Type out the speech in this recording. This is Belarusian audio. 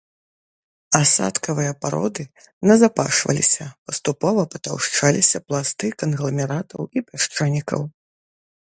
Асадкавыя пароды назапашваліся, паступова патаўшчаліся пласты кангламератаў і пясчанікаў.